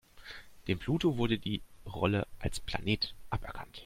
Dem Pluto wurde die Rolle als Planet aberkannt.